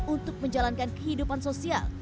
untuk menjalankan kehidupan sosial